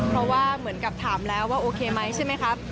เพราะว่าเหมือนกับถามแล้วว่าโอเคไหมใช่ไหมครับ